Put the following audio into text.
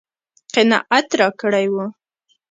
قناعت راکړی و.